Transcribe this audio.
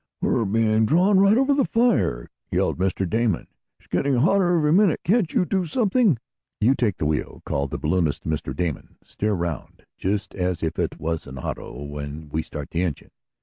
"We're being drawn right over the fire!" yelled Mr. Damon. "It's getting hotter every minute! Can't you do something?" "You take the wheel," called the balloonist to Mr. Damon. "Steer around, just as if it was an auto when we start the engine.